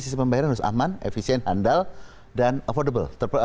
sistem pembayaran harus aman efisien handal dan affordable